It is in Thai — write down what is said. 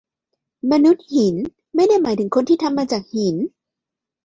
มนุษย์หิน ไม่ได้หมายถึงคนที่ทำมาจากหิน